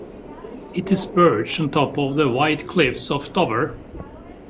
It is perched on top of the White Cliffs of Dover.